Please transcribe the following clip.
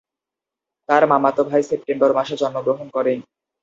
তার মামাতো ভাই সেপ্টেম্বর মাসে জন্মগ্রহণ করে।